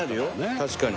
確かに。